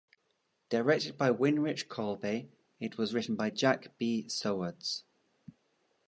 Directed by Winrich Kolbe, it was written by Jack B. Sowards.